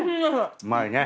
うまいね。